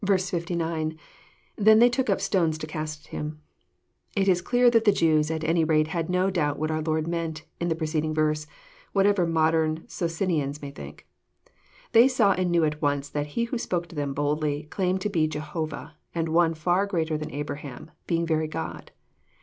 JOHN, UHAP. vin. 133 69.— [T^en took they up stones to cast at him,"] It is clear that the Jews at any rate bad no doubt what our Lord meant in the pre ceding verse, whatever modern Socinians may think. They saw and knew at once that He who spake to them boldly claimed to be Jehovah, and One far greater than Abraham, being very God.